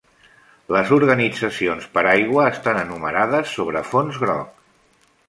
Les organitzacions paraigua estan enumerades sobre fons groc.